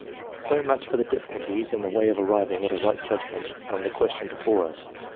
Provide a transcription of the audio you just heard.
So much for the difficulties in the way of arriving at a right judgment on the question before us.